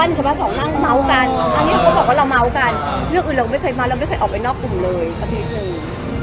อันนี้เขาบอกว่าเราเม้ากันเรื่องอื่นเราไม่เคยมาเราไม่เคยออกไปนอกกลุ่มเลยสักทีหนึ่ง